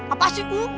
apa sih uh